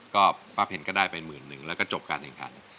ก็ป้าเพ็ญก็ได้ไปหมื่นหนึ่งแล้วก็จบการแข่งขัน